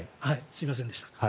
すいませんでした。